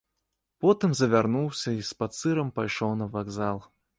Потым завярнуўся й спацырам пайшоў на вакзал.